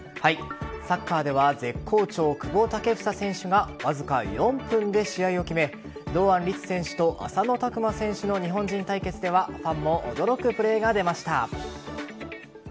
サッカーでは絶好調・久保建英選手がわずか４分で試合を決め堂安律選手と浅野拓磨選手の日本人対決ではファンも驚くプレーが出ました。